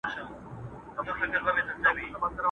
په غوټه سوه ور نیژدي د طوطي لورته٫